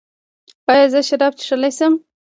ایا زه شراب څښلی شم؟